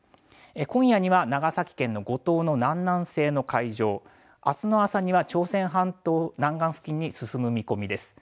今夜には長崎県の五島の南南西の海上、あすの朝には朝鮮半島南岸付近に進む見込みです。